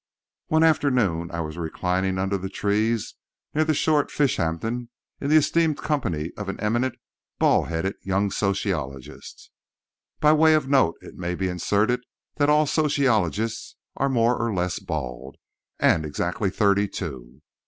One afternoon I was reclining under the trees near the shore at Fishampton in the esteemed company of an eminent, bald headed young sociologist. By way of note it may be inserted that all sociologists are more or less bald, and exactly thirty two.